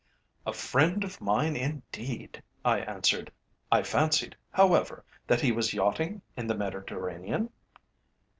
"A friend of mine, indeed," I answered. "I fancied, however, that he was yachting in the Mediterranean?"